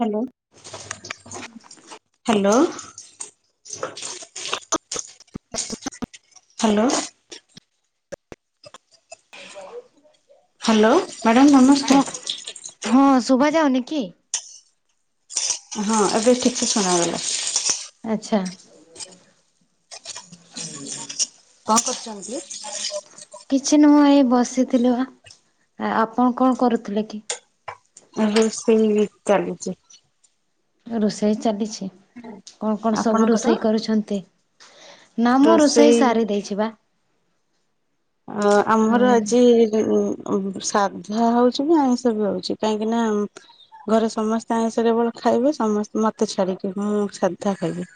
Hello. [inaudible] Hello. Hello. [unintelligible] Hello madam ହଁ ନମସ୍କାର। ହଁ ଶୁଭା ଯାଉନି କି? ହଁ ଏବେ ଠିକସେ ଶୁଣାଗଲା। ଆଚ୍ଛା। [inaudible] କଣ କରୁଚନ୍ତି? କିଛି ନୁହଁ ଏଇ ବସିଥିଲି ପା। ଆ-ଆପଣ କଣ କରୁଥିଲେ କି? ଆଉ ରୋଷେଇ ଚାଲିଚି। ରୋଷେଇ ଚାଲିଛି କଣ କଣ ସବୁ ଆପଣଙ୍କର? ରୋଷେଇ କରୁଛନ୍ତି? ନା ମୁଁ ରୋଷେଇ ସାରି ଦେଇଚି ପା। ଓ ଆମର ହଁ ଆଜି ଯୋଉ ସାଧା ହୋଉଚି ନା ଆଇଁଷ ବି ହୋଉଚି କାହିଁକି ନା ଉଁ ଘରେ ସମସ୍ତେ ଆଇଁଶ କେବଳ ଖାଇବେ ସମସ୍ତେ ମତେ ଛାଡିକି, ମୁଁ ସାଧା ଖାଇବି।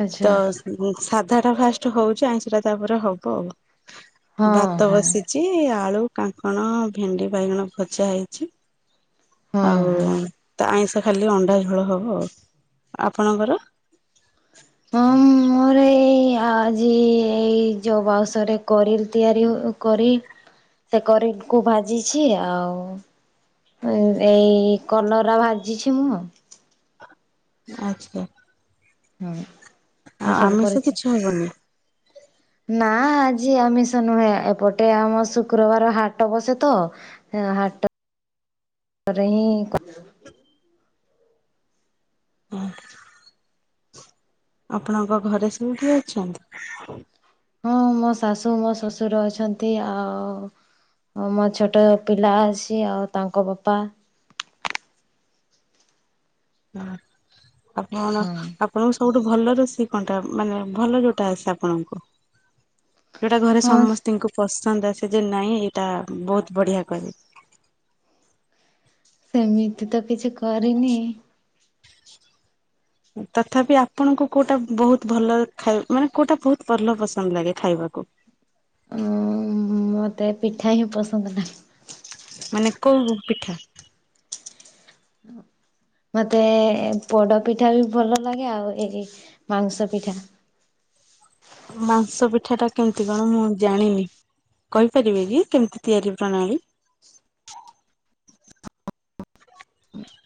ଆଚ୍ଛା ତ ସାଧା ଟା ଫାଷ୍ଟ ହଉଛି, ଆଇଁଶ ଟା ତାପରେ ହବ ଆଉ। ହଁ ଭାତ ହଁ। ବସିଛି ଆଳୁ, କାଙ୍କଣ, ଭେଣ୍ଡି, ବାଇଗଣ ଭଜା ହେଇଛି। ହଁ ଆଉ ହଁ। ତ ଆଇଁଷ ଖାଲି ଅଣ୍ଡା ଝୋଳ ହବ ଆଉ, ଆପଣଙ୍କର? ହଁ ମୋର ଏଇ ଆଜି ଏଇ ଯୋ ବସ୍ ରେ କରିଲ୍ ତିଆରି ହୋ କରି ସେ କରି କୁ ଭାଜିଛି ଆଉ ଏଇ କଲରା ଭାଜିଛି ମୁଁ ଆଉ ଆଚ୍ଛା ହଉ। ହୁଁ। ଆଉ ଆମିଷ କିଛି ହବନି? ନା ଆଜି ଆମିଷ ନୁହେଁ, ଏପଟେ ଆମ ଶୁକ୍ରବାର ହାଟ ବସେ ତ ହାଟ ରେ ହିଁ କ ଆପଣଙ୍କ ଘରେ ସବୁ କିଏ ଅଛନ୍ତି? ମୁଁ ମୋ ଶାଶୁ ମୋ ଶୋଶୁର ଅଛନ୍ତି ଆଉ ହଁ ମୋ ଛୋଟ ପିଲା ଅଛି ଆଉ ତାଙ୍କ ବାପା ହୁଁ, ଆପଣ ଆପ୍ ହଁ ଆପଣଙ୍କୁ ସବୁଠୁ ଭଲ ରୋଷେଇ କଣଟା ମାନେ ଭଲ ଯୋଉଟା ଆସେ ଆପଣଙ୍କୁ? ଯୋଉଟା ଘରେ ହଁ ସମସ୍ତିଙ୍କୁ ପସନ୍ଦ ଆସେ ଯେ ନାଇଁ ଏଇଟା ବହୁତ ବଢିଆ କରେ। ସେମିତି ତ କିଛି କରିନି। ତଥାପି ଆପଣଙ୍କୁ କୋଉଟା ବହୁତ ଭଲ ଖାଇ ମାନେ କୋଉଟା ବହୁତ ଭଲ ପସନ୍ଦ ଲାଗେ ଖାଇବାକୁ? ଉ-ଉ-ଉ ମତେ ପିଠା ହିଁ ପସନ୍ଦ ନାହିଁ। ମାନେ କଉ ପିଠା? ମତେ ଏ ପୋଡ ପିଠା ବି ଭଲ ଲାଗେ ଆଉ ଏଇ ମାଉଁଶ ପିଠା। ମାଂସ ପିଠା ଟା କେମତି କଣ ମୁଁ ଜାଣିନି। କହିପାରିବେ କି କେମିତି ତିଆରି ପ୍ରଣାଳୀ? [inaudible]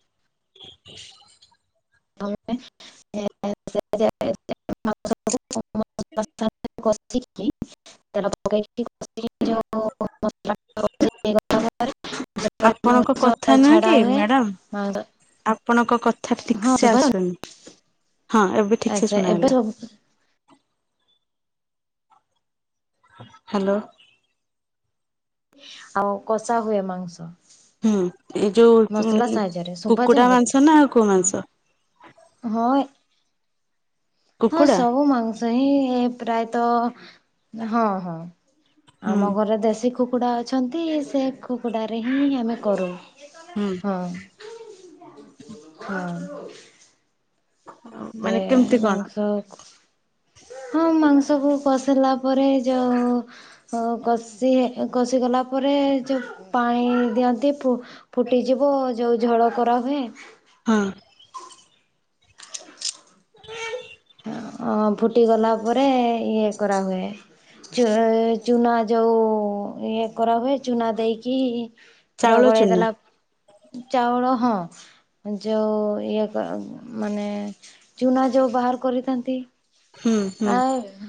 [inaudible] [inaudible] [unintelligible] [inaudible] [unintelligible] ଆପଣଙ୍କ ମାଂସ କଥା ନୁହେଁ ଛଡା କି ହୁଏ ମ୍ୟାଡାାମ? ମାଂସ ଆପଣଙ୍କ କଥା ଠିକ ହଁ ସେ ଶୁଭା ଆସୁନି, ହଁ! ଏବେ ଠିକ ସେ ଆଚ୍ଛା ଶୁଣା ଏବେ ଗଲା। ସବୁ ହ୍ୟାଲୋ। ଆଉ କଷା ହୁଏ ମାଂସ ହୁଁ, ଏଇ ଯୋଉ ମସଲା ସାହାଯ୍ୟରେ ଶୁଭା କୁକୁଡ଼ା ଯାଉନି କି? ମାଂସ ନା ଆଉ କୋଉ ମାଂସ? ହଁ, ଅ ହଁ, କୁକୁଡା ସବୁ ମାଂସ ହିଁ ପ୍ରାୟତଃ ହଁ, ହଁ। ହୁଁ ଆମ ଘରେ ଦେଶୀ କୁକୁଡା ଅଛନ୍ତି, ସେ କୁକୁଡ଼ା ରେ ହିଁ ଆମେ କରୁ। ହୁଁ ହଁ, ହଁ। ସେ ମାନେ ଏ କେମିତି କଣ ମାଂସ ହଁ ମାଂସକୁ କଷିଲା ପରେ ଯଉଁ ଉ ହଁ, କଷି କଷିଗଲା ପରେ ଯେଉଁ ପାଣି ଦିଅନ୍ତି, ଫୁ ଫୁଟିଯିବ ଯୋଉ ଝଳ କରାହୁଏ। ହଁ। ହଁ ଅ ଫୁଟିଗଲା ପରେ ଇଏ କରାହୁଏ। ଚୁ ଉ ଚୁନା ଯୋଉ ଇଏ କରାହୁଏ ଚୁନା ଦେଇକି ପୁରା ଚାଉଳ ଗଳେଇ ଚୁନା ଦେଲା, ଚାଉଳ ହଁ। ଯୋଉ ଉ ଇଏ ମାନେ ଚୁନା ଯୋଉ ବାହାର କରିଥାନ୍ତି। ହୁଁ ହୁଁ ଆ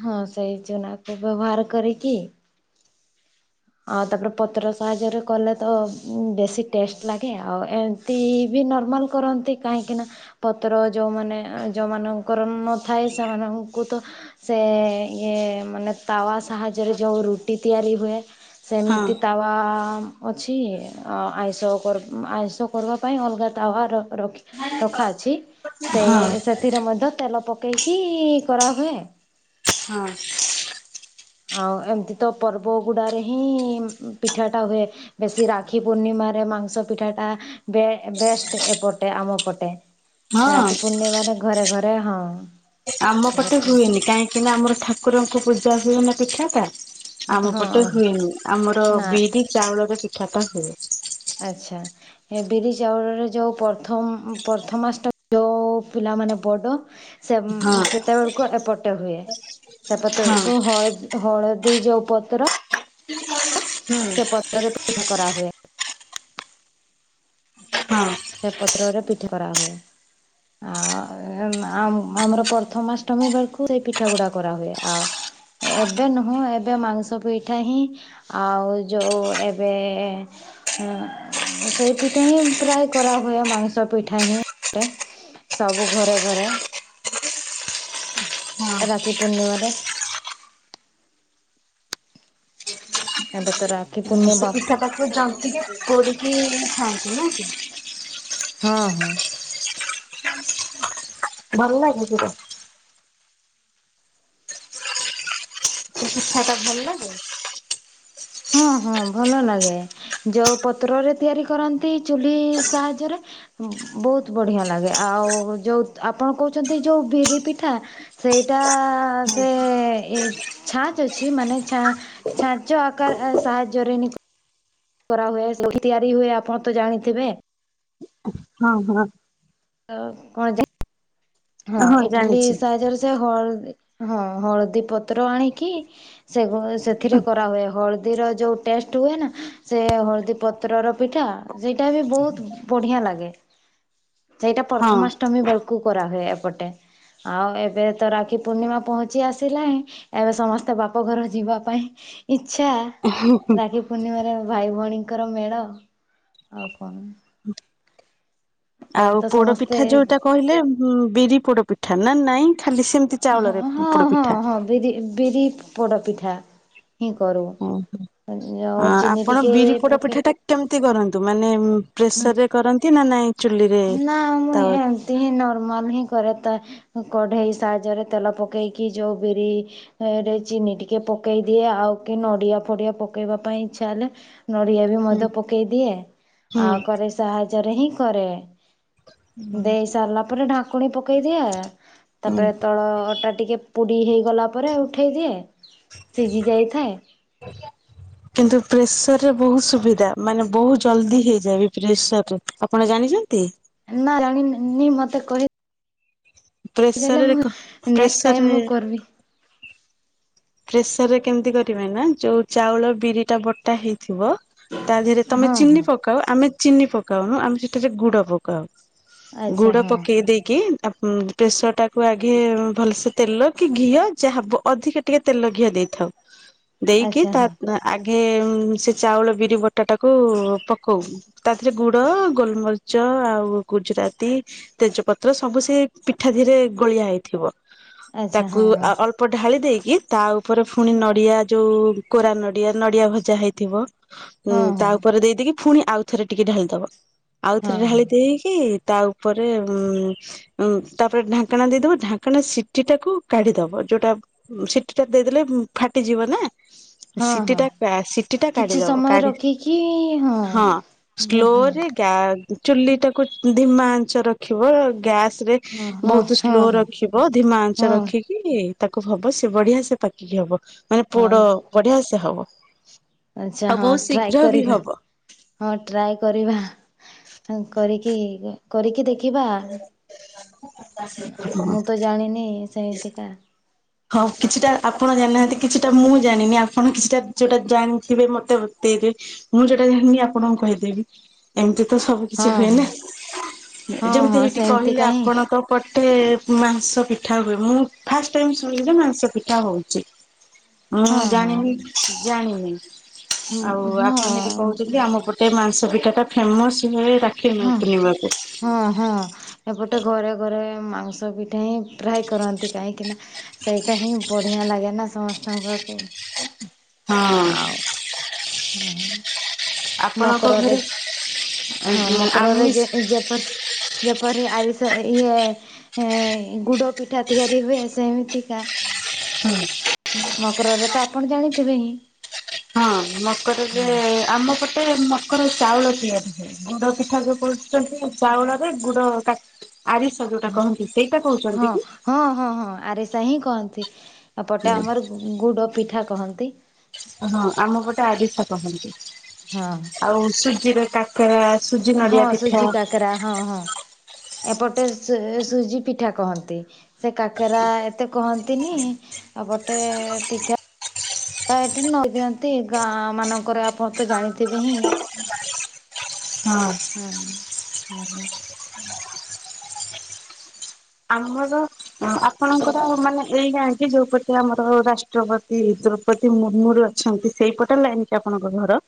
ହଁ ସେଇ ଚୁନାକୁ ବ୍ୟବହାର କରିକି ଆଉ ତାପରେ ପତ୍ର ସାହାଯ୍ୟରେ କଲେତ ବେଶୀ ଟେଷ୍ଟେ ଲାଗେ ଆଉ ଏ ତିବି ନର୍ମାଲ୍ କରନ୍ତି କାହିଁକିନା ପତ୍ର ଯୋଉମାନେ ଯୋଉମାନଙ୍କର ନଥାଏ ସେମାନଙ୍କୁ ତ ସେ ଇଏ ମାନେ ତାୱ ସାହାଯ୍ୟରେ ଯଉ ରୁଟି ତିଆରି ହୁଏ। ସେମିତି ତା ହଁ ଅ ଅଛି ଆଇଁଷ ଆଇଁଷ କରିବା ପାଇଁ ଅଲଗା ତାୱ ରଖି ରଖା ଅଛି ସେ ହଁ ସେଥିରେ ମଧ୍ୟ ତେଲ ପକେଇକି କରାହୁଏ। ହଁ। ଆଉ ଏମିତିତ ପର୍ବ ଗୁଡ଼ାରେହିଁ ପିଠାଟା ହୁଏ। ବେଶୀ ରାକ୍ଷୀ ପୂର୍ଣ୍ଣିମାରେ ମାଂସ ପିଠାଟା ବେ ବେଷ୍ଟେ ଏପଟେ ଆମ ପଟେ। ହଁ ରାକ୍ଷୀ ପୂର୍ଣ୍ଣିମାରେ ଘରେ ଘରେ ହଁ। ଆମ ପଟେ ଗୋଟେ ହୁଏନି କାହିଁକିନା ଆମର ଠାକୁରଙ୍କୁ ପୂଜା ହୁଏନା ପିଠାଟା ଆମ ହଁ ପଟେ ହୁଏନି ଆମର ନା ବିରି ଚାଉଳର ପିଠାଟା ହୁଏ। ଆଚ୍ଛା ଏ ବିରି ଚାଉଳରେ ଯେଉଁ ପ୍ରଥମ ପ୍ରଥମାଷ୍ଟମି ଯଉଁ ପିଲାମାନେ ବଡ ସେ ହଁ ସେତେବେଳକୁ ଏପଟେ ହୁଏ ସେପଟେ ହଁ ବେଳକୁ ହ ହଳଦୀ ଯୋଉ ପତ୍ର ହୁଁ ସେ ପତ୍ରରେ ପୀଠା କରାହୁଏ। ହଁ ସେପତ୍ରରେ ପିଠା କରାହୁଏ। ଆଉ ଆ ଆ ଆମର ପ୍ରଥମାଷ୍ଟମୀ ବେଳକୁ ସେଇ ପିଠା ଗୁଡ଼ା କରାହୁଏ ଆଉ ଏବେ ନୁହଁ ଏବେ ମାଂସ ପିଠା ହିଁ ଆଉ ଯୋଉ ଏବେ ସେଇ ପିଠା ହିଁ ପ୍ରାୟ କରାହୁଏ ମାଂସ ପିଠାହିଁ ହୁଏ ସବୁ ଘରେ ଘରେ। ହଁ ରାକ୍ଷୀ ପୂର୍ଣ୍ଣିମାରେ‌। ଏବେତ ରାକ୍ଷୀ ପୂର୍ଣ୍ଣିବ ତାକୁ ଜାନ୍ତିକି କୋରିକି ଖାଆନ୍ତିନାକି? ହଁ ହଁ। ଭଲ ଲାଗେ ପୁର? ସେପିଠାଟା ଭଲ ଲାଗେ? ହଁ ହଁ ଭଲ ଲାଗେ ଯୋଉ ପତ୍ରରେ ତିଆରି କରନ୍ତି ଚୁଲି ସାହାଯ୍ୟରେ ବହୁତ୍ ବଢ଼ିଆ ଲାଗେ ଆଉ ଯେଉ ଆପଣ କହୁଚନ୍ତି ଯଉଁ ବିରି ପିଠା ସେଇଟା ହଁ ସେ ଛାଞ୍ଚେ ଅଛି ମାନେ ଛାଞ୍ଚ କାର ସାହାଯ୍ୟରେ ନିି କରାହୁଏ ସବୁ ତିଆରି ହୁଏ ଆପଣତ ଜାଣିଥିବେ ହଁ ହଁ। ତ କଣ ଯ ହଁ ଇଟିଲି ସାହାଜରେ ସେ ହଳ ହଁ ହଳଦୀ ପତ୍ର ଆଣିକି ସେ ସେଥିରେ କରାହୁଏ ହଳଦୀର ଯେଉଁ ଟେଷ୍ଟେ ହୁଏନା ସେ ହଳଦୀ ପତ୍ରର ପିଠା ସେଇଟାବି ବହୁତ୍ ବଢ଼ିଆ ଲାଗେ ସେଇଟା ହଁ। ପ୍ରଥମାଷ୍ଟମୀ ବେଳକୁ କରାହୁଏ। ପଟେ ଆଉ ଏବେ ତ ରାକ୍ଷୀ ପୂର୍ଣ୍ଣିମା ପହଞ୍ଚି ଆସିଲାଣି। ଏବେ ସମସ୍ତେ ବାପଘର ଯିବା ପାଇଁ ଇଚ୍ଛା। ହୁଁ ହୁଁ। ରାକ୍ଷୀ ପୂର୍ଣ୍ଣିମାରେ ଭାଇ ଭଉଣୀଙ୍କର ମେଳ ଆଉ କଣ! ଏବେ ଆଉ ତ ପୋଡ ପିଠା ସମସ୍ତେ ଯୋଉଟା କହିଲେ ହୁଁ ବିରି ପୋଡ ପିଠା ନା ନାଇଁ ଖାଲି ସେମତି? ହଁ ହଁ ହଁ ହଁ ବିରି ବିରି ପୋଡ ପିଠା। ହିଁ କରୁ ଯୋଁଉ ଚିନି ଟିକେ ପକେଇ କେମତି କରନ୍ତୁ ମାନେ ପ୍ରେସର ରେ କରନ୍ତି ନା ନାଇଁ ଚୁଲିରେ ତାୱା ଏମନ୍ତି ହିଁ ନର୍ମାଲ୍ ହିଁ କରେ ତା କଢ଼େଇ ସାହାଯ୍ୟରେ ତେଲ ପକେଇକି ଯୋଉ ବିରି ରେ ଚିନି ଟିକେ ପକେଇ ଦିଏ ଆଉ କି ନଡିଆ ଫଡିଆ ପକେଇବା ପାଇଁ ଇଚ୍ଛା ହେଲେ ନଡ଼ିଆ ବି ହୁଁ ମଧ୍ୟ ପକେଇ ଦିଏ ଆଉ ହୁଁ। କରେଇ ସାହାଯ୍ୟରେ ହିଁ କରେ। ଦେଇ ସାରିଲା ପରେ ଢାଙ୍କୁଣୀ ପକେଇଦିଏ ତାପରେ ତଳ ଅଟା ଟିକେ ପୁଡ଼ି ହେଇଗଲା ପରେ ଉଠେଇ ଦିଏ ସିଜି ଯାଇଥାଏ। [unintelligible] କିନ୍ତୁ ପ୍ରେସର ରେ ବହୁତ ସୁବିଧା ମାନେ ବହୁତ ଜଲ୍ଦି ହେଇଯାଏ ବି ପ୍ରେସରରେ। ଆପଣ ଜାଣିଛନ୍ତି? ନା ରାଣୀ ନିଁ ନି ମତେ କହି ପ୍ରେସରରେ କ ନେକ୍ସଟ୍ ଟାଇମ୍ ପ୍ରେସରରେ ମୁଁ କରିବି। ପ୍ରେସର ରେ କେମତି କରିବେ ନା ଯୋଉ ଚାଉଳ ବିରି ଟା ବଟା ହେଇଥିବ ତା ଦିହେରେ ତମେ ହଁ ଚିନି ହଁ ପକାଅ ଆମେ ଚିନି ପକାଉନୁ ଆମେ ସେଠାରେ ଗୁଡ ପକାଉ। ଆଚ୍ଛା ଗୁଡ ହଁ ପକେଇ ଦେଇକି ତା ଉଁ ପ୍ରେସର ଟାକୁ ଆଘେ ଭଲସେ ତେଲ କି ଘିଅ ଯାହା ବ ଅଧିକା ଟିକେ ତେଲ ଘିଅ ଦେଇଥାଉ ଦେଇକି ଆଚ୍ଛା ତା ହଁ ଆଁ ଆଘେ ଉଁ ସେ ଚାଉଳ ବିରି ବଟାଟାକୁ ପକଉ। ତା ଧିରେ ଗୁଡ, ଗୋଲମରିଚ ଆଉ ଗୁଜୁରାତି ତେଜପତ୍ର ସବୁ ସେ ପିଠା ଧିରେ ଗୋଳିଆ ହେଇଥିବ। ଆଚ୍ଛା ତାକୁ ହଁ ହଁ। ଅ ଅଳ୍ପ ଢାଳି ଦେଇକି ତାଉପରେ ଫୁଣି ନଡିଆ ଯୋଉ କୋରା ନଡିଆ ନଡିଆ ଭଜା ହେଇଥିବ ହଁ ଉଁ ତା ହଁ ଉପରେ ଦେଇଦେଇକି ଫୁଣି ଆଉ ଥରେ ଟିକେ ଢାଳିଦବ ଆଉଥରେ ହଁ ହଁ ଢାଳି ଦେଇକି ତା ଉପରେ ଉଁ ଉଁ ତାପରେ ଢାଙ୍କେଣା ଦେଇଦବ ଢାଙ୍କେଣା ସିଟି ଟାକୁ କଢିଦବ ଯୋଉଟା ସି ଟିଟା ଦେଇଦେଲେ ଉଁ ଫାଟିଯିବ ନା। ହଁ ହଁ ସିଟିଟା କା ସିଟିଟା କିଛି କାଢିଦବ ସମୟ କାଢ଼ି ରଖିକି ହଁ ହଁ ହଁ ସ୍ଲୋରେ ଗ୍ୟା ଚୁଲିଟାକୁ ଧିମା ଆଞ୍ଚ ରଖିବ ଗ୍ୟାସରେ ହଁ ହଁ ବହୁତ ସ୍ଲୋ ହଁ ରଖିବ ଧିମା ଆଞ୍ଚ ହଁ। ରଖି କି ତାକୁ ହବ ସେ ବଢିଆ ସେ ପାକିକି ହବ ମାନେ ହଁ ପୋଡ ବଢିଆ ସେ ହବ। ଆଚ୍ଛା ଆଉ ହଁ ବହୁ ଟ୍ରାଏ ଶୀଘ୍ର ବି କରିବା ହବ। ହଁ ଟ୍ରାଏ କରିବା କରିକି କରିକି ଦେଖ ଖିବା ହଁ। ମୁଁ ତ ଜାଣିନି ସେମତିକା। ହଉ କିଛିଟା ଆପଣ ଜାଣିନାହାନ୍ତି କିଛିଟା ମୁଁ ଜାଣିନି ଆପଣ କିଛିଟା ଯୋଉଟା ଜାଣିଥିବେ ମତେ ବତେଇବେ। ମୁଁ ଯୋଉଟା ଜାଣିନି ଆପଣଙ୍କୁ କହିଦେବି। ଏମତି ତ ସବୁ ହଁ କିଛି ହଁ ହୁଏନା ହଁ ଯେମତି ହଁ ହେଇଟି ସେମିତି କହିଲେ କାହିଁ ଆପଣତ ପଟେ ମାଂସ ପିଠା ହୁଏ ମୁଁ ଫାଷ୍ଟ ଟାଇମ୍ ଶୁଣିଲି ଯେ ମାଂସ ପିଠା ହଉଚି ମୁଁ ହଁ ହଁ। ଜାଣିନି ଜାଣିନି। ଆଉ ଆପଣ ଯଦି ହଁ କହୁଛନ୍ତି ଆମପ ଟେ ମାଂସ ପିଠାଟା ଫେମସରେ ରାଖୀ ପୂର୍ଣ୍ଣ ହଁ ପୂର୍ଣ୍ଣିମାପାଇଁ। ହଁ ହଁ ଏପଟେ ଘରେ ଘରେ ମାଂସ ପିଠା ହିଁ ପ୍ରାୟ କରନ୍ତି କାହିଁକିନା। ସେଇଟା ହିଁ ବଢିଆ ଲାଗେ ନା ସମସ୍ତଙ୍କ ଘରପାଇଁ। ହଁ ଆଉ ନାହିଁ ମ। ଆପଣଙ୍କ ମକରରେ ଘରେ ହଁ ମକରରେ ଆମିଷ ଯେ ଏଁ ଯେପରି। ଯେପରି ଆରିସା ଇଏ। ହେ ଗୁଡପିଠା ତିଆରି ହୁଏ ସେମତିକା। ହୁଁ। ଉଁ ମକରରେ ତ ଆପଣ ଜାଣିଥିବେ ହିଁ। ହଁ ମକରରେ ହଁ ଆମପଟେ ମକର ଚାଉଳ ତିଆରି ହୁଏ। ଗୁଡପିଠା ଯୋଉ କରୁଛନ୍ତି ଚାଉଳରେ ଗୁଡ କାକ୍ ଆରି ସା ଯୋଉଟା କହନ୍ତି ସେଇଟା ହଁ କହୁଛନ୍ତି କି? ହଁ ହଁ ହଁ ଆରିସା ହିଁ କହନ୍ତି ଏପଟେ ଆମର ଗୁଡ଼ପିଠା କହନ୍ତି ହଁ ଆମପଟେ ଆରିସା କହନ୍ତି। ହଁ। ଆଉ ସୁଜିରେ କା କେରା ସୁଜି। ହଁ ନଡିଆ ପିଠା ସୁଜି କାକ୍ କେରା ହଁ ହଁ ଏପଟେ ସୁଜି ପିଠା କହନ୍ତି। ସେ କାକେରା ଏତେ କହନ୍ତିନି ଏପଟେ ପିଠା। ବା ଏଠି ନଈଦିଅନ୍ତି ଗାଁ ମାନଙ୍କରେ ଆପଣ ତ ଜାଣିଥିବେ ହିଁ। [unintelligible] ହଁ। ହଁ ହଁ ହଁ। [inaudible] ଆମର। ଆପଣଙ୍କର ମାନେ ଏଇ ଗାଁ କି ଯୋଉପଟେ ଆମର ରାଷ୍ଟ୍ରପତି ଦ୍ରୋ ପତି ମୁର୍ମୁରୁ ଅଛନ୍ତି ସେଇପଟେ ଲାଇନ କି ଆପଣଙ୍କ ଘର?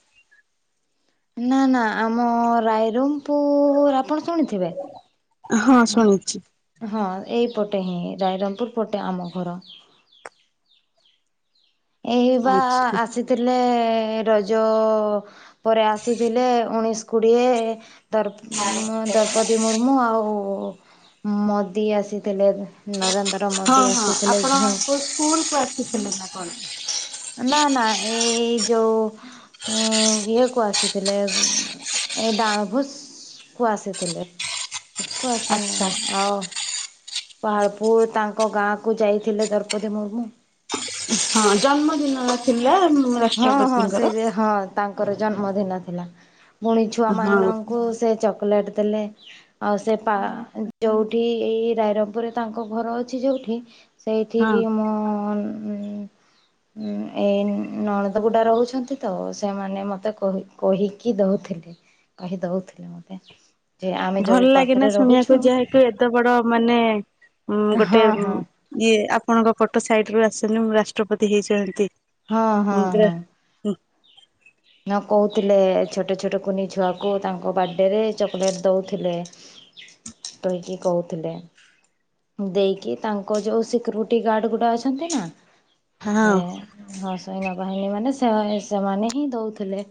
ନା ନା ଆମ ରାଇରଙ୍ଗପୁର ଆପଣ ଶୁଣିଥିବେ। ହଁ ଶୁଣୁଛି। ହଁ ଏଇପଟେ ହିଁ ରାଇରଙ୍ଗପୁର ପଟେ ଆମ ଘର। ଏ ବା ଆଚ୍ଛା ଆସି ଥିଲେ ରଜ ପରେ ଆସିଥିଲେ ଉଣେଇଶ କୁଡ଼ିଏ। ଦର୍ପ ମାନେ ଦ୍ରପଦୀ ମୁ ର୍ମୁ ଆଉ ମୋଦି ଆସିଥିଲେ ନରେନ୍ଦ୍ର। ହଁ ମୋଦି ହଁ ଆସିଥିଲେ ଆପଣ ଯୋଉ କୋଉ ସ୍କୁଲକୁ ଆସିଥିଲେ ନା କଣ। ନା ନା ଏଇ ଯୋଉ ଉଁ ଇଏ କୁ ଆସିଥିଲେ। ଏ ଡାଣଭୋଜ କୁ ଆସିଥିଲେ ଏକୁ ଆଚ୍ଛା ଆସିନାଇଁ ଆଉ। ପାହାଳପୁର ତାଙ୍କ ଗାଁ କୁ ଯାଇଥିଲେ ଦ୍ରୌପଦୀ ମୁର୍ମୁ। ହଁ ଜନ୍ମଦିନ ଥିଲା ହଁ ହଁ ରାଷ୍ଟ୍ରପତିଙ୍କର। ସେଇ ହଁ ତାଙ୍କର ଜନ୍ମଦିନ ଥିଲା ମୁଣି ହଁ ଛୁଆମାନଙ୍କୁ ସେ ଚକଲେଟ୍ ଦେଲେ। ଆଉ ସେ ପା ଯୋଉଠି ଏଇ ରାଇରଙ୍ଗପୁରରେ ତାଙ୍କ ଘର ଅଛି ଯୋଉଠି। ହଁ ସେଇଠିକି ମୁଁ ଏଇ ନଣଦଗୁଡ଼ା ରହୁଛନ୍ତି ତ ସେମାନେ ମତେ କହି କହିକି ଦଉଥିଲେ। କହିଦଉଥିଲେ ମୋତେ। ଭଲ ଲାଗେନା ଶୁଣିବାକୁ ଯେହେତୁ ଏତେ ବଡ଼ ମାନେ ଗୋଟେ ହଁ ହଁ ଇଏ ଆପଣଙ୍କ ପଟୋ ସାଇଟ ରୁ ଆସନି ମୁଁ ରାଷ୍ଟ୍ରପତି ହେଇଛନ୍ତି। ହଁ ହଁ ହଁ କହୁଥିଲେ ଛୋଟ ଛୋଟ କୁନି ଛୁଆକୁ ତାଙ୍କ ବାର୍ଥଡେରେ ଚକୋଲେଟ୍ ଦେଉଥିଲେ। ତଇକି କହୁଥିଲେ। ଦେଇକି ତାଙ୍କ ଯୋଉ ସିକ୍ୟୁରିଟି ଗାର୍ଡ ଗୁଡା ଅଛନ୍ତି ନା ସେ ହଁ ହଁ ସୈନ୍ୟ ବାହିନୀ ମାନେ ସେ ସେମାନେ ହିଁ ଦଉଥିଲେ।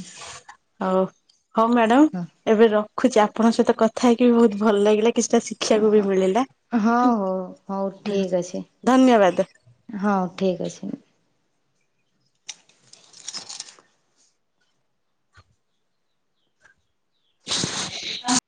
ହ ହଉ ହଉ ମ୍ୟାଡାମ ଏବେ ରଖୁଛି ଆପଣଙ୍କ ସହିତ କଥା ହେଇକି ବହୁତ ଭଲ ଲାଗିଲା। କିଛିଟା ସି ଶିକ୍ଷାକୁ ବି ମିଳିଲା ହଉ ହଉ ଠିକ ଅଛି। ଧନ୍ୟବାଦ। ହଁ ଠିକ୍ ଅଛି। [unintelligible]